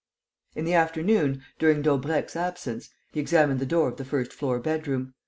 In the afternoon, during Daubrecq's absence, he examined the door of the first floor bedroom.